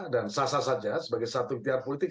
dan sasar saja sebagai satu ketua politik